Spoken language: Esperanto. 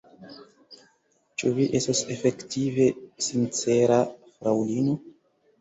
Ĉu vi estos efektive sincera, fraŭlino?